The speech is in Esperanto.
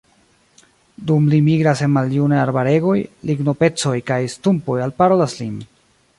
Dum li migras en maljunaj arbaregoj, lignopecoj kaj stumpoj “alparolas lin.